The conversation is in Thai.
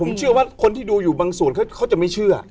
ผมเชื่อว่าคนที่ดูอยู่บางส่วนเขาจะไม่เชื่อ